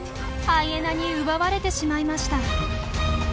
ハイエナに奪われてしまいました。